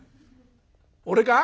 「俺か？